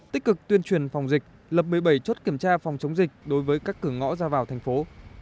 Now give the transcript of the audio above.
tích cực tuyên truyền phòng dịch lập một mươi bảy chốt kiểm tra phòng chống dịch đối với các cửa ngõ ra vào thành phố